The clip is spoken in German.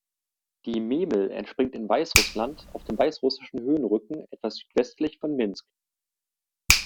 Die Memel entspringt in Weißrussland auf dem Weißrussischen Höhenrücken etwas südwestlich von Minsk.